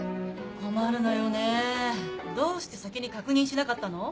困るのよねぇどうして先に確認しなかったの？